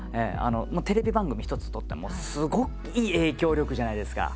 テレビ番組一つとってもすごい影響力じゃないですか。